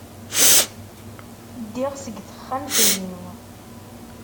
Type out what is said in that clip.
Ddiɣ seg texxamt-nni.